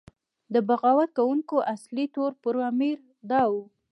د بغاوت کوونکو اصلي تور پر امیر دا و.